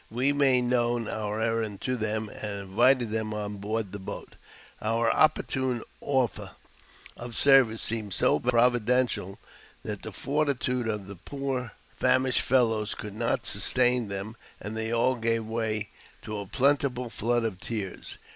We made known our errand to them, and invited them on board the boat. Our opportune oifer of service seemed so providential, that the fortitude of the poor famishing fellows could not sustain them, and they all gave way to a plentiful flood of tears.